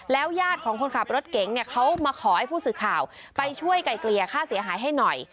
ญาติของคนขับรถเก๋งเนี่ยเขามาขอให้ผู้สื่อข่าวไปช่วยไก่เกลี่ยค่าเสียหายให้หน่อย